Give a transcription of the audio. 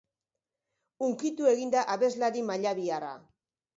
Hunkitu egin da abeslari mallabiarra.